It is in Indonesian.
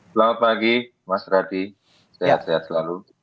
selamat pagi mas radi sehat sehat selalu